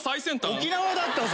沖縄だったぞ。